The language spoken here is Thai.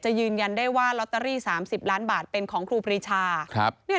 จะยืนยันได้ว่าล็อตเตอรี่สามสิบล้านบาทเป็นของครูปีชาครับเนี้ย